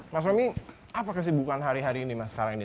mas romy apa kesibukan hari hari ini mas sekarang ini